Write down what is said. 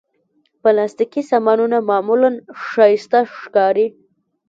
پلاستيکي سامانونه معمولا ښايسته ښکاري.